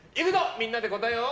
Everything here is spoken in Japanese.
みんなで答えを。